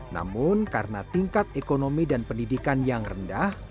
namun karena tingkat ekonomi dan pendidikan yang rendah